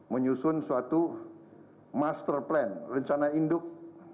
menyusun suatu master plan rencana induk